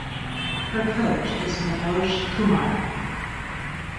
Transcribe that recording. Her coach is Manoj Kumar.